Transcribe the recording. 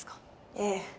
ええ。